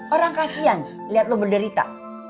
orang kasihan liat lo menderita